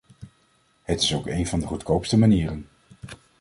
Het is ook een van de goedkoopste manieren.